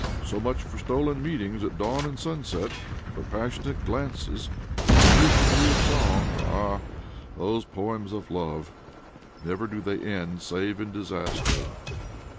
So much for stolen meetings at dawn and sunset, for passionate glances, for the wizardry of song 1 Ah, those poems of love ! Never do they end save in disaster.